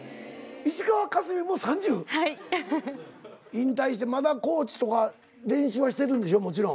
引退してまだコーチとか練習はしてるんでしょもちろん。